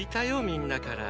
みんなから。